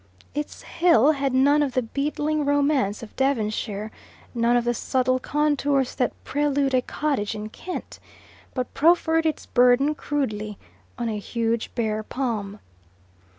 Its hill had none of the beetling romance of Devonshire, none of the subtle contours that prelude a cottage in Kent, but profferred its burden crudely, on a huge bare palm.